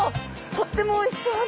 とってもおいしそうな。